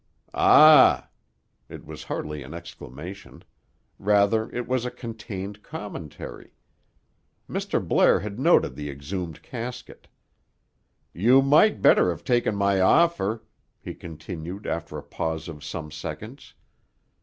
"Ah!" It was hardly an exclamation; rather it was a contained commentary. Mr. Blair had noted the exhumed casket. "You might better have taken my offer," he continued after a pause of some seconds.